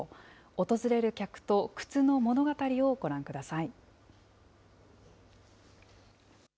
訪れる客と靴の物語をご覧ください。